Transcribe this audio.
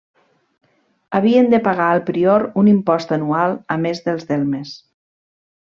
Havien de pagar al prior un impost anual a més dels delmes.